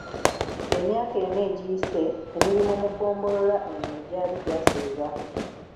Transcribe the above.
Emyaka ena egiyise, emirimu mu ggombolola eno gyali gyasereba.